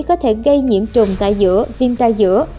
có thể gây nhiễm trùng tại giữa viêm tai giữa